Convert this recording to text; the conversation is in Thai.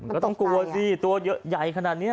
มันตกกว้าสิตัวใหญ่ขนาดนี้